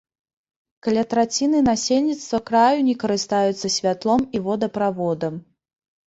Каля траціны насельніцтва краю не карыстаюцца святлом і водаправодам.